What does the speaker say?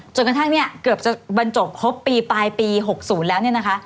จนกระทั่งเนี่ยเกือบจะบรรจบครบปีปลายปี๖๐แล้วเนี่ยนะคะ